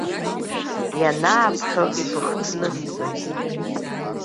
Ианаабҳәо ибыхҭнысҵоит.